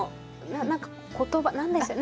何か言葉何でしたっけ。